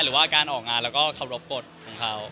หรือว่าการออกงานแล้วก็เคารพกฎของเขา